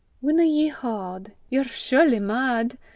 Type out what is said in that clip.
Winna ye haud? Ye're surely mad!